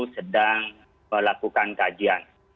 sedang melakukan kajian